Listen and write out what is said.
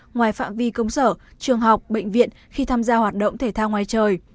ngoài phạm vi công sở trường học bệnh viện khi tham gia hoạt động thể thao ngoài trời